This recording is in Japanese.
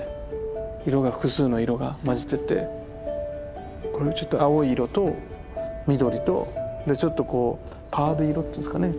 色が複数の色が混じってて青い色と緑とちょっとパール色っていうんですかね